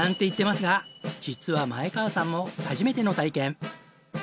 言ってますが実は前川さんも初めての体験。